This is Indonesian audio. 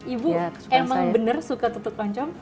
ibu emang bener suka tutuk oncom